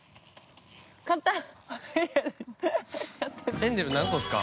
◆フェンネル何個っすか。